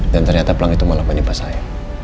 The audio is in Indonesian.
dan ternyata plank itu malah menimpa saya